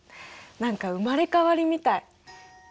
何か生まれ変わりみたい。